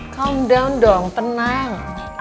calm down dong tenang